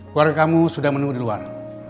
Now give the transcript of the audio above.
keluarga kamu sudah menunggu di luar